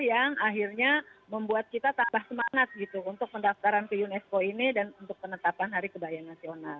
yang akhirnya membuat kita tambah semangat gitu untuk pendaftaran ke unesco ini dan untuk penetapan hari kebaya nasional